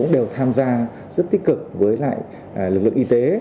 đều tham gia rất tích cực với lại lực lượng y tế